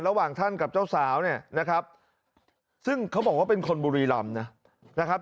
ระหว่างท่านกับเจ้าสาวเนี่ยนะครับซึ่งเขาบอกว่าเป็นคนบุรีรำนะครับ